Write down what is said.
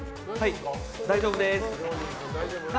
大丈夫です。